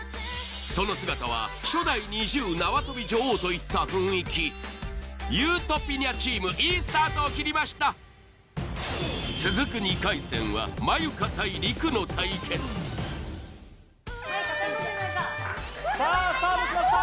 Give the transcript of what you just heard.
その姿はといった雰囲気ゆーとぴにゃチームいいスタートを切りました続く２回戦はさぁスタートしました！